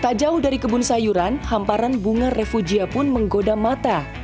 tak jauh dari kebun sayuran hamparan bunga refugia pun menggoda mata